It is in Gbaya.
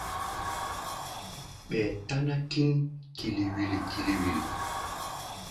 Ɓɛɛ táná kín kili-wili kili-wili.